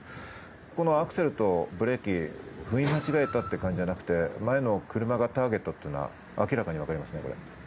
このアクセルとブレーキを踏み間違えたって感じじゃなくて、前の車がターゲットっていうのは明らかに分かりますね。